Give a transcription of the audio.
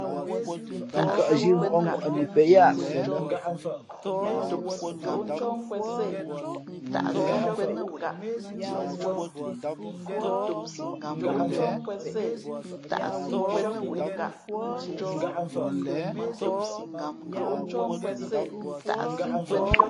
N kαʼzhī mvǎk ŋwαʼni pen yáʼ fen lά.